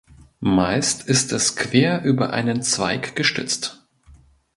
Meist ist es quer über einen Zweig gestützt.